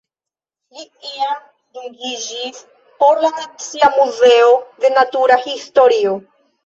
Li iam dungiĝis por la Nacia Muzeo de Natura Historio.